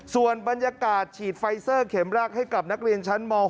ส่วนบรรยากาศฉีดไฟเซอร์เข็มแรกให้กับนักเรียนชั้นม๖